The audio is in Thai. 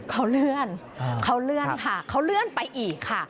เขาเลื่อนค่ะเขาเลื่อนไปอีกค่ะ